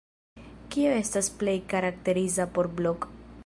Kio estas plej karakteriza por Blok?